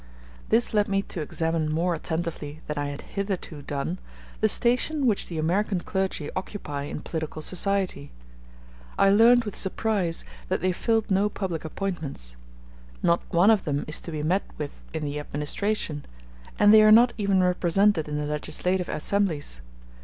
This led me to examine more attentively than I had hitherto done, the station which the American clergy occupy in political society. I learned with surprise that they filled no public appointments; *f not one of them is to be met with in the administration, and they are not even represented in the legislative assemblies.